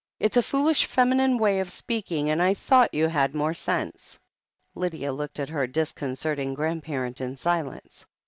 "It's a foolish feminine way of speaking, and I thought you had more sense." Lydia looked at her disconcerting grandparent in silence.